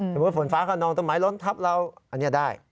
สมมุติฝนฟ้าขนองต้นไม้ล้นทับเราอันนี้ได้